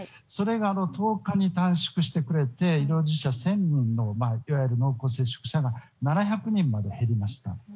それが１０日に短縮してくれて医療従事者１０００人の濃厚接触者が７００人まで減りました。